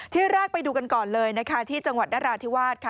ที่แรกไปดูกันก่อนเลยนะคะที่จังหวัดนราธิวาสค่ะ